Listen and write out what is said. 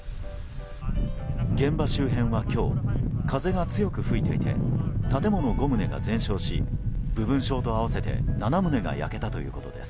現場周辺は今日風が強く吹いていて建物５棟が全焼し部分焼と合わせて７棟が焼けたということです。